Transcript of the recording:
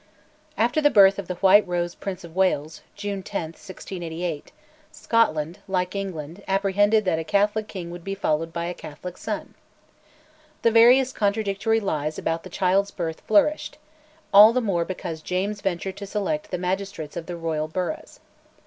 After the birth of the White Rose Prince of Wales (June 10, 1688), Scotland, like England, apprehended that a Catholic king would be followed by a Catholic son. The various contradictory lies about the child's birth flourished, all the more because James ventured to select the magistrates of the royal burghs.